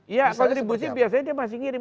iya kontribusi biasanya dia masih ngirim